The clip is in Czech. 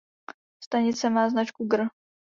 Stanice má značku "Gr".